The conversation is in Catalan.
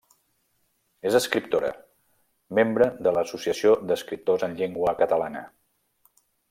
És escriptora, membre de l'Associació d'Escriptors en Llengua Catalana.